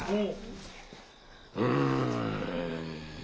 うん。